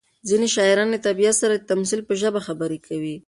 ځینې شاعران له طبیعت سره د تمثیل په ژبه خبرې کوي.